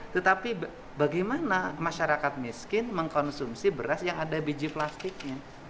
tetapi bagaimana masyarakat miskin mengkonsumsi beras yang ada biji plastiknya